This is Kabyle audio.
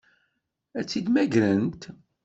Ad tt-id-mmagrent?